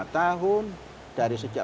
tahun dari sejak